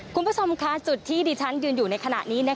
คุณผู้ชมค่ะจุดที่ดิฉันยืนอยู่ในขณะนี้